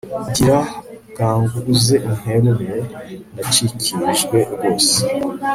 gira bwangu uze unterure ndacikirijwe rwose